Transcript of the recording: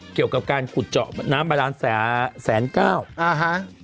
เกี่ยวกับการขุดเจาะน้ำบาดานแสนเก้าอ่าฮะ